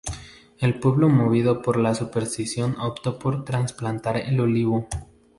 El pueblo movido por la superstición optó por trasplantar el olivo.